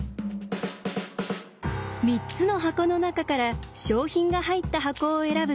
３つの箱の中から賞品が入った箱を選ぶとき